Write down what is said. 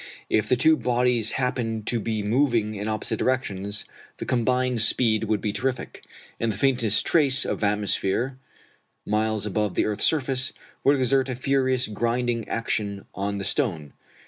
If the two bodies happened to be moving in opposite directions, the combined speed would be terrific; and the faintest trace of atmosphere, miles above the earth's surface, would exert a furious grinding action on the stone.